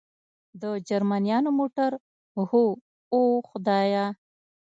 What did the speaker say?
د جرمنیانو موټر؟ هو، اوه خدایه.